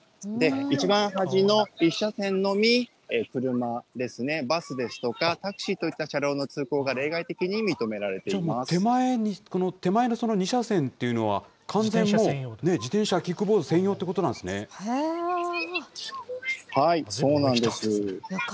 一番端の１車線のみ、車ですね、バスですとか、タクシーといった車両の通行が例外的に認められてじゃあ、手前のその２車線というのは、完全にもう、自転車、キックボード専用ということなんそうなんです。